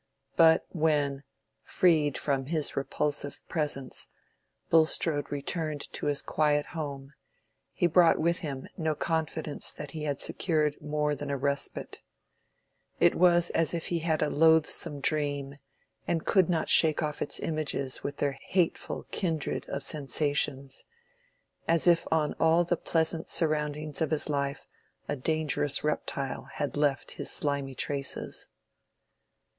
But when, freed from his repulsive presence, Bulstrode returned to his quiet home, he brought with him no confidence that he had secured more than a respite. It was as if he had had a loathsome dream, and could not shake off its images with their hateful kindred of sensations—as if on all the pleasant surroundings of his life a dangerous reptile had left his slimy traces.